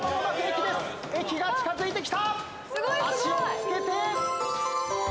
駅が近づいてきた。